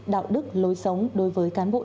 đạo đức lối sống đối với cán bộ